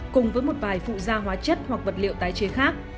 cùng với một vài phụ da hóa chất hoặc vật liệu tái chế khác